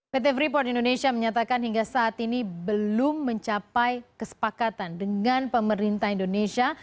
pt freeport indonesia menyatakan hingga saat ini belum mencapai kesepakatan dengan pemerintah indonesia